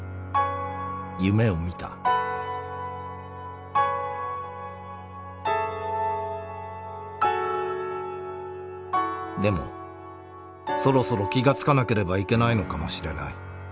夢を見たでもそろそろ気が付かなければいけないのかもしれない。